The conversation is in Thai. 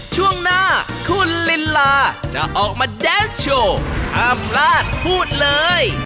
ช่วงหน้าคุณลินลาจะออกมาแดนส์โชว์ห้ามพลาดพูดเลย